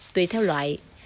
tùy theo loại